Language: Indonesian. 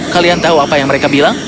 kalian tahu apa yang mereka bilang